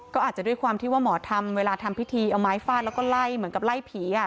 ก็อาจจะด้วยความที่ว่าหมอทำเวลาทำพิธีเอาไม้ฟาดแล้วก็ไล่เหมือนกับไล่ผี